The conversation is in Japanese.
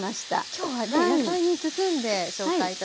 今日は野菜に包んで紹介頂きますよ。